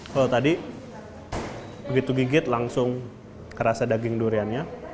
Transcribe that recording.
kalau tadi begitu gigit langsung kerasa daging duriannya